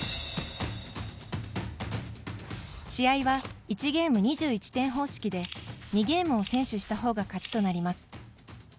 試合は、１ゲーム２１点方式で２ゲームを先取したほうが勝ちとなります。